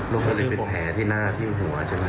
เคยเป็นแผลที่หน้าที่หัวใช่ไหม